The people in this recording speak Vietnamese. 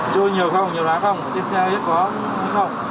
chơi nhiều không nhiều lá không trên xe có không